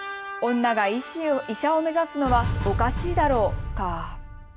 女が医者を目指すのはおかしいだろうか。